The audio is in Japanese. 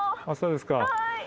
あそうですか。